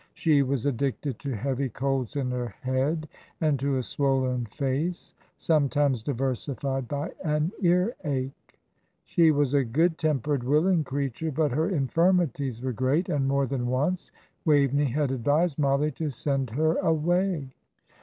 She was addicted to heavy colds in her head, and to a swollen face, sometimes diversified by an earache. She was a good tempered, willing creature, but her infirmities were great, and more than once Waveney had advised Mollie to send her away.